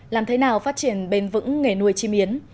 làm thế nào phát triển bền vững nghề nuôi chim yến